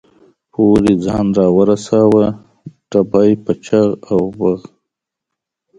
پورې ځان را ورساوه، ډبې په چغ او بغ.